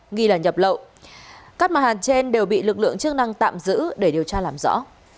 nghi là nhập lộ các màn hàn trên đều bị lực lượng chức năng tạm giữ để điều tra làm rõ